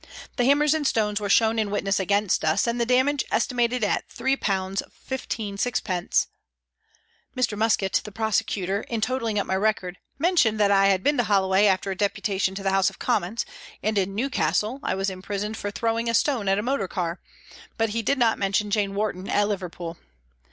The hammers and stones were shown in witness against us, and the damage estimated at 3 1,5s. Mr. Muskett, the prosecutor, in totalling HOLLOWAY REVISITED 327 up my record, mentioned that I had been to Hollo way after a deputation to the House of Commons, and in Newcastle I was imprisoned for throwing a stone at a motor car, but he did not mention " Jane Warton " at Liverpool.